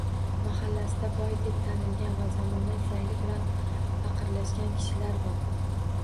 Mahallasida boy deb tanilgan va zamona zayli bilan faqirlashgan kishilar bor.